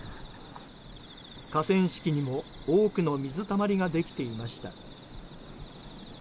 河川敷にも多くの水たまりができていました。